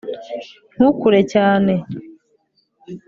ntukure cyane